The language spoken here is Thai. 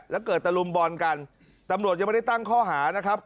แล้วเกิดตะลุมบอลกันตำรวจยังไม่ได้ตั้งข้อหานะครับ